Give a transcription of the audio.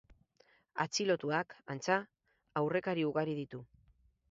Atxilotuak, antza, aurrekari ugari ditu.